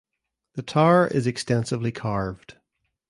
The tower is extensively carved.